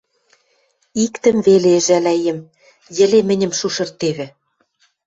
Иктӹм веле ӹжӓлӓем: йӹле мӹньӹм шушыртевӹ.